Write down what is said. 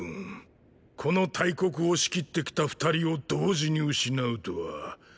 この大国を仕切ってきた二人を同時に失うとは。